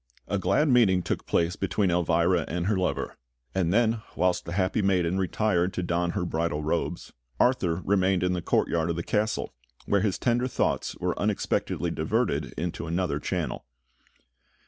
A glad meeting took place between Elvira and her lover; and then, whilst the happy maiden retired to don her bridal robes, Arthur remained in the courtyard of the castle, where his tender thoughts were unexpectedly diverted into another channel.